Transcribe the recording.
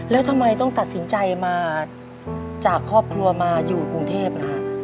แล้วทำไมต้องตัดสินใจมาจากครอบครัวมาอยู่กรุงเทพล่ะฮะ